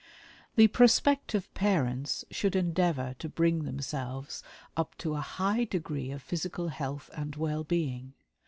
The prospective parents should endeavor to bring themselves up to a high degree of physical health and well being.